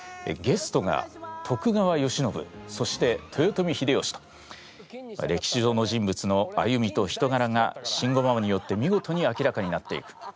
ゲストが徳川慶喜そして豊臣秀吉と歴史上の人物の歩みと人柄が慎吾ママによって見事に明らかになっていく。